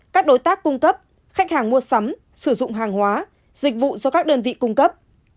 các đối tác cung cấp khách hàng mua sắm sử dụng hàng hóa dịch vụ do các đơn vị cung cấp